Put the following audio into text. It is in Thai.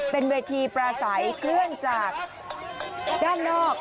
เป็นเวทีปราศัยเคลื่อนจากด้านนอก